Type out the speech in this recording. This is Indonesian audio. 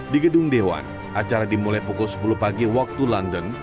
di gedung dewan acara dimulai pukul sepuluh pagi waktu london